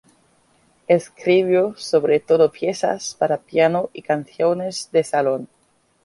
Escribió sobre todo piezas para piano y canciones de salón.